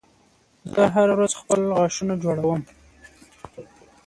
زه هره ورځ خپل غاښونه جوړوم